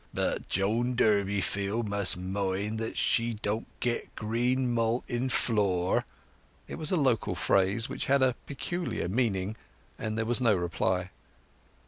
"But Joan Durbeyfield must mind that she don't get green malt in floor." It was a local phrase which had a peculiar meaning, and there was no reply.